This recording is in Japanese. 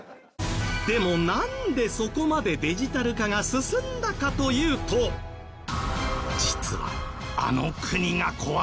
でもなんでそこまでデジタル化が進んだかというと実はあの国が怖いから？